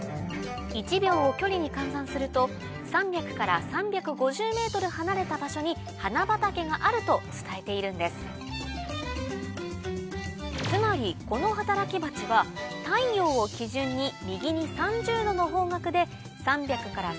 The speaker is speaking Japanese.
１秒を距離に換算すると３００から３５０ｍ離れた場所に花畑があると伝えているんですつまりこの働きバチはと伝えていたんです